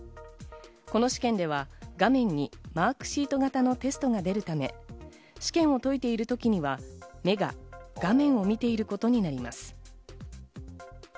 この試験では画面にマークシート型のテストが出るため試験を解いている時には目が画面を見ていることになります。